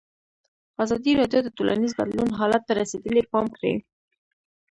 ازادي راډیو د ټولنیز بدلون حالت ته رسېدلي پام کړی.